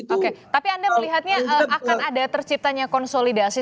oke tapi anda melihatnya akan ada terciptanya konsolidasi